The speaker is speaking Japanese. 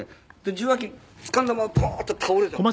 受話器つかんだままポーンと倒れちゃって。